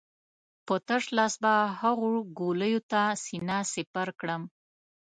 په تش لاس به هغو ګولیو ته سينه سپر کړم.